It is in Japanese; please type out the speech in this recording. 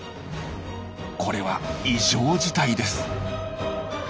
これは異常事態です。